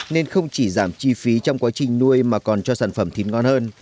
nên không chỉ giảm chi phí trong quá trình nuôi mà còn cho sản phẩm thịt ngon hơn